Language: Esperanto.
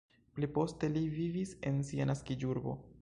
Pli poste li vivis en sia naskiĝurbo.